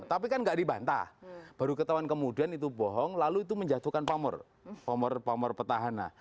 tapi kan nggak dibantah baru ketahuan kemudian itu bohong lalu itu menjatuhkan pamor pamor pamor petahana